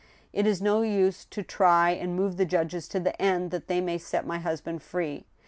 It is no use to try and move the judges to the end that they may set my husband free.